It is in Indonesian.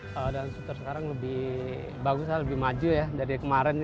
danau sunter sekarang lebih bagus lebih maju dari kemarin